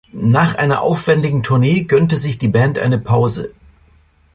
Nach einer aufwändigen Tournee gönnte sich die Band eine Pause.